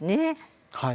はい。